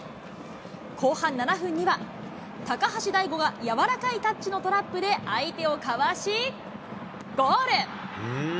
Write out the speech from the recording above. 後半７分には、高橋大悟が柔らかいタッチのトラップで相手をかわしゴール。